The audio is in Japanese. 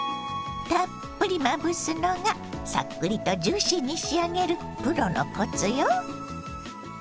たっぷりまぶすのがさっくりとジューシーに仕上げるプロのコツよ。